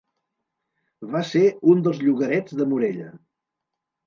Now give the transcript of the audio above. Va ser un dels llogarets de Morella.